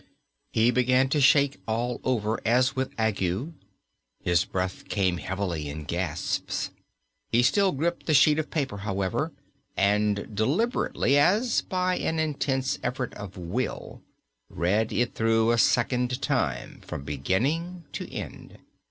He began to shake all over as with ague. His breath came heavily in gasps. He still gripped the sheet of paper, however, and deliberately, as by an intense effort of will, read it through a second time from beginning to end.